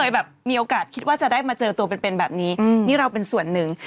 อินเตอร์วิวคุณก็คิดว่าจะได้มาเจอตัวเป็นแบบนี้นี่เราเป็นส่วนหนึ่ง